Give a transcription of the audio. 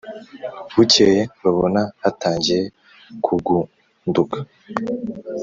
bukeye babona hatangiye kugunduka,